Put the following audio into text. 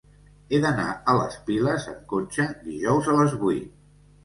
He d'anar a les Piles amb cotxe dijous a les vuit.